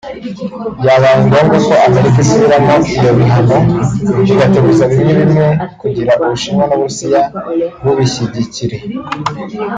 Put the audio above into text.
Byabaye ngombwa ko Amerika isubiramo iyo bihano igateguza bimwe bimwe kugira Ubushinwa n’Uburusiya bubishyigikire